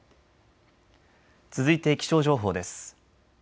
続いて気象情報です。